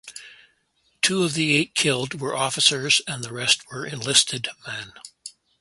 Two of the eight killed were officers and the rest were enlisted men.